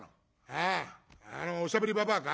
「あああのおしゃべりばばあか。